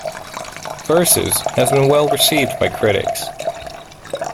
"Versus" has been well received by critics.